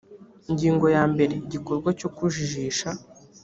ingingo ya mbere igikorwa cyo kujijisha